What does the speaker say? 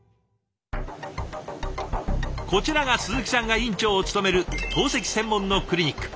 こちらが鈴木さんが院長を務める透析専門のクリニック。